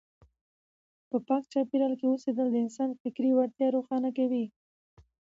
په پاک چاپیریال کې اوسېدل د انسان فکري وړتیاوې روښانه کوي.